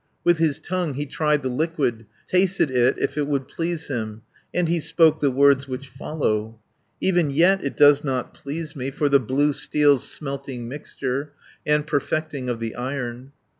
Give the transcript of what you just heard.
"With his tongue he tried the liquid, Tasted it if it would please him, And he spoke the words which follow: 'Even yet it does not please me For the blue steel's smelting mixture, And perfecting of the Iron.'